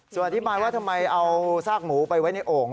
ส่วนอธิบายว่าทำไมเอาซากหมูไปไว้ในโอ่ง